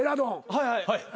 はいはい。